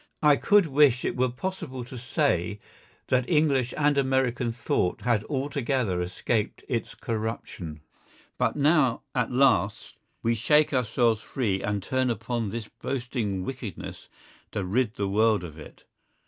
I could wish it were possible to say that English and American thought had altogether escaped its corruption. But now at last we shake ourselves free and turn upon this boasting wickedness to rid the world of it.